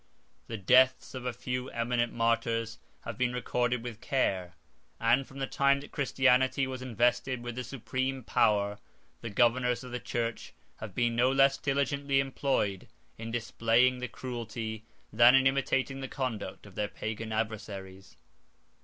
The deaths of a few eminent martyrs have been recorded with care; and from the time that Christianity was invested with the supreme power, the governors of the church have been no less diligently employed in displaying the cruelty, than in imitating the conduct, of their Pagan adversaries.